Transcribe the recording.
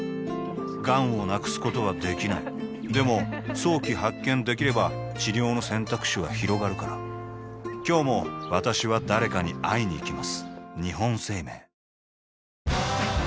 がんを無くすことはできないでも早期発見できれば治療の選択肢はひろがるから今日も私は誰かに会いにいきます